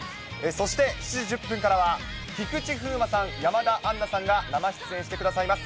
そして、７時１０分からは菊池風磨さん、山田杏奈さんが生出演してくださいます。